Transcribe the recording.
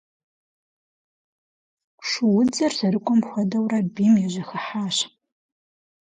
Шуудзэр зэрыкӏуэм хуэдэурэ бийм яжьэхыхьащ.